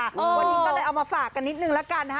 วันนี้ก็เลยเอามาฝากกันนิดนึงแล้วกันนะฮะ